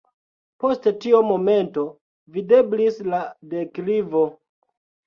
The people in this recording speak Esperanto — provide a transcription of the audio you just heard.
Post tio momento videblis la deklivo.